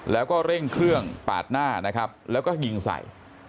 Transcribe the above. แล้วก็เร่งเครื่องปาดหน้านะครับแล้วก็ยิงใส่